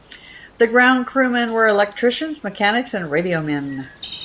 The ground crewmen were electricians, mechanics, and radiomen.